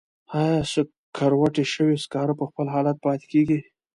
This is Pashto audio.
آیا سکروټې شوي سکاره په خپل حالت پاتې کیږي؟